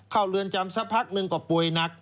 เข้าเรือนจำสักพักนึงกว่าป่วยหนัก